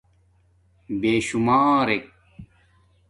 بیشمارک